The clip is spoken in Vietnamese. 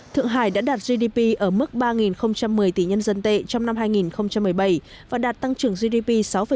thượng hải đã đạt gdp ở mức ba một mươi tỷ nhân dân tệ trong năm hai nghìn một mươi bảy và đạt tăng trưởng gdp sáu tám